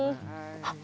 あっ！